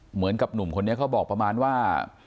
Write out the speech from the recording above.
เหมือนกับหนุ่มคนนี้เขาบอกประมาณว่า